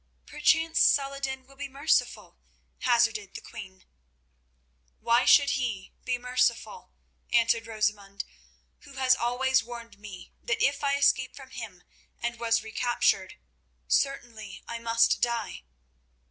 "Perchance Saladin will be merciful," hazarded the queen. "Why should he be merciful," answered Rosamund, "who has always warned me that if I escaped from him and was recaptured, certainly I must die?